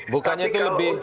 bukannya itu lebih sulit